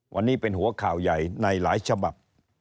วันนี้เป็นหัวข่าวใหญ่ในหลายฉบับ